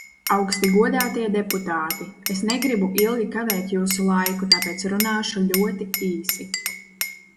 Augsti godātie deputāti, es negribu ilgi kavēt jūsu laiku, tāpēc runāšu ļoti īsi.